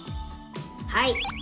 はい。